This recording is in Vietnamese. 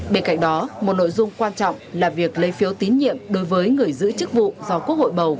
bên cạnh đó một nội dung quan trọng là việc lấy phiếu tín nhiệm đối với người giữ chức vụ do quốc hội bầu